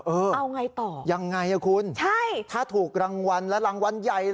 เอาไงต่อยังไงอ่ะคุณใช่ถ้าถูกรางวัลแล้วรางวัลใหญ่